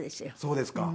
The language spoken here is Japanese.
そうですか。